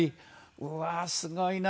「うわーすごいな。